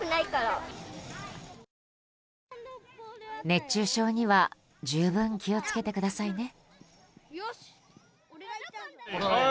熱中症には十分、気を付けてくださいね。